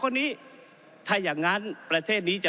ก็ได้มีการอภิปรายในภาคของท่านประธานที่กรกครับ